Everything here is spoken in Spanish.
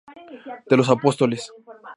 De los Apóstoles.